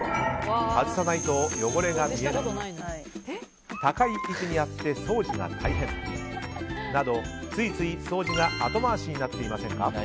外さないと汚れが見えない高い位置にあって掃除が大変などついつい掃除が後回しになっていませんか？